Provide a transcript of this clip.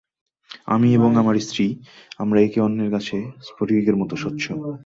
আমি এবং আমার স্ত্রী, আমরা একে অন্যের কাছে স্ফটিকের মতো স্বচ্ছ।